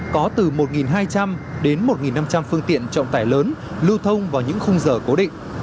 có từ một hai trăm linh đến một năm trăm linh phương tiện trọng tải lớn lưu thông vào những khung giờ cố định